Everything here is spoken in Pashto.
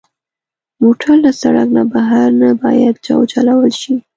موټر له سړک نه بهر نه باید وچلول شي.